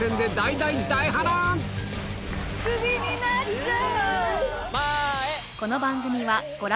クビになっちゃう！